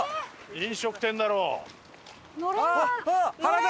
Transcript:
飲食店だろう。